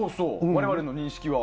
我々の認識は。